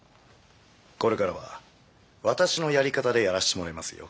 これからは私のやり方でやらしてもらいますよ。